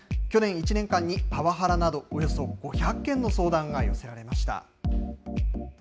去年１年間に、パワハラなど、およそ５００件の相談が寄せられました。